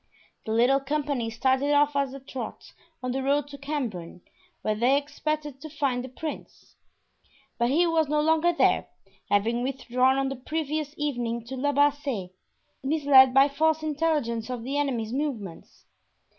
The little company started off at a trot on the road to Cambrin, where they expected to find the prince. But he was no longer there, having withdrawn on the previous evening to La Bassee, misled by false intelligence of the enemy's movements.